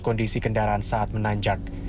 kondisi kendaraan saat menanjak